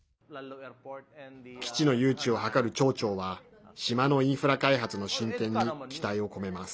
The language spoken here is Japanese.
基地の誘致を図る町長は島のインフラ開発の進展に期待を込めます。